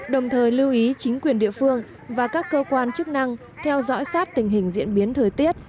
đồng thời lưu ý chính quyền địa phương và các cơ quan chức năng theo dõi sát tình hình diễn biến thời tiết